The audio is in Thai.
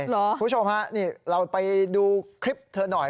เหรอคุณผู้ชมครับนี่เราไปดูคลิปเธอหน่อย